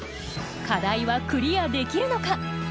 課題はクリアできるのか？